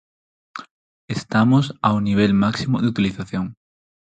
Estamos ao nivel máximo de utilización.